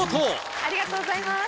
ありがとうございます。